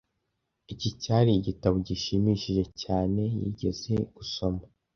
Iki cyari igitabo gishimishije cyane yigeze gusoma.